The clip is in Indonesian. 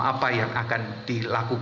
apa yang akan dilakukan